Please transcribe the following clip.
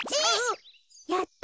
やった！